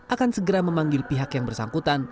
akan segera memanggil pihak yang bersangkutan